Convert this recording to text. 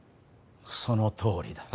そのとおりだ。